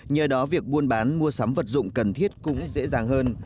nhờ đó việc buôn bán mua sắm vật dụng cần thiết cũng dễ dàng hơn